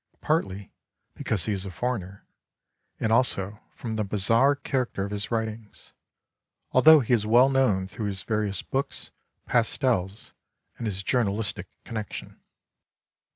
partly because he is a foreigner, and also from the bizarre character of his writings ; although he is well known through his various books, pastels and his journalistic connection.